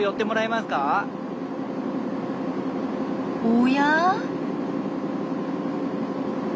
おや？